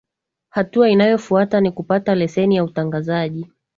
hatua inayofuata ni kupata leseni ya utangazaji